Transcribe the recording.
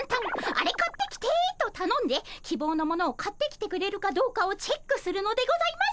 「アレ買ってきて」とたのんできぼうのものを買ってきてくれるかどうかをチェックするのでございます。